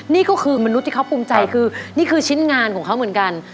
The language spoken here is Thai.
นี่ก็คือมนุษย์ที่เขาภูมิใจคือนี่คือชิ้นงานของเขาเหมือนกัน